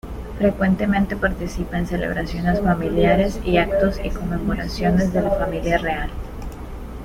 Frecuentemente participa en celebraciones familiares y actos y conmemoraciones de la familia real.